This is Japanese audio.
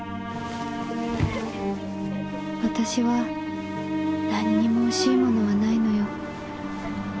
私は何にも惜しいものはないのよ。